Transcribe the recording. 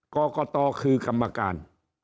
กรกตคือกรรมการ